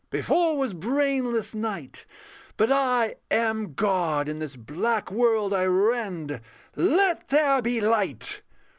_] Before was brainless night: but I am God In this black world I rend. Let there be light!